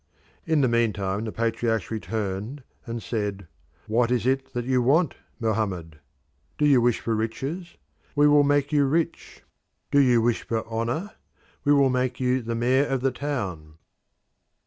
In the meantime the patriarchs returned and said, "What is it that you want, Mohammed? Do you wish for riches? We will make you rich. Do you wish for honour? We will make you the mayor of the town."